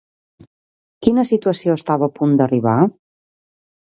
Quina situació estava a punt d'arribar?